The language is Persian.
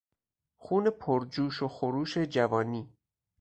خون پرجوش و خروش جوانی